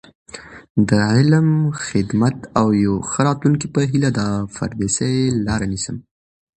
د علم، خدمت او یو ښه راتلونکي په هیله، د پردیسۍ لاره نیسم.